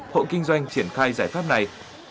hộ kinh doanh triển khai giải pháp này